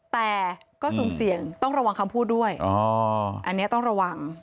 แต่ก็สุ่มเสี่ยงต้องระวังคำพูดด้วยอันนี้ต้องระวัง